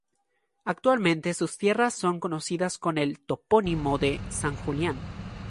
Actualmente sus tierras son conocidas con el topónimo de "San Julián".